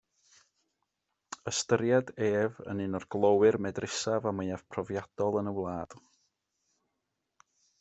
Ystyried ef yn un o'r glowyr medrusaf a mwyaf profiadol yn y wlad.